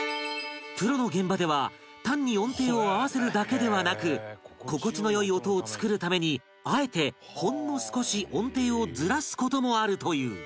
プロの現場では単に音程を合わせるだけではなく心地の良い音を作るためにあえてほんの少し音程をずらす事もあるという